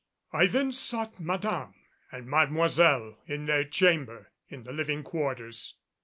I then sought Madame and Mademoiselle in their chamber in the living quarters.